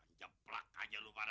bisa di jeplak aja lu para